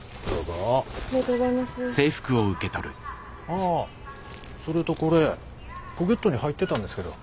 あそれとこれポケットに入ってたんですけど。